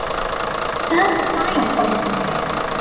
Stand aside, then.